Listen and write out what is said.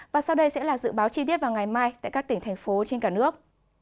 và sau đây sẽ là dự báo chi tiết vào ngày mai tại các tỉnh thành phố trên cả nước